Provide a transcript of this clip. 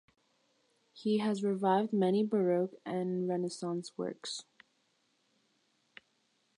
He has revived many baroque and renaissance works.